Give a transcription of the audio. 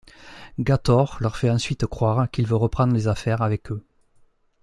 Gator leur fait ensuite croire qu’il veut reprendre les affaires avec eux.